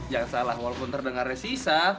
jangan salah walaupun terdengarnya sisa